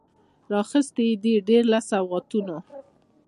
راخیستي یې دي، ډیر له سوغاتونو